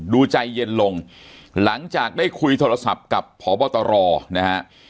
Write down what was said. ดูใจเย็นลงหลังจากได้คุยโทรศัพท์กับพบตรนะฮะ